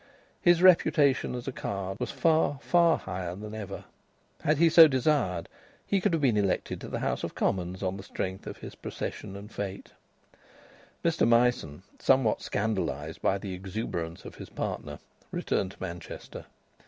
His reputation as a card was far, far higher than ever. Had he so desired, he could have been elected to the House of Commons on the strength of his procession and fête. Mr Myson, somewhat scandalised by the exuberance of his partner, returned to Manchester.